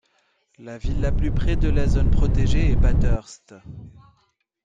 La ville la plus près de la zone protégée est Bathurst.